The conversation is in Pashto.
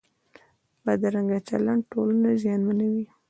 بدرنګه چلند ټولنه زیانمنوي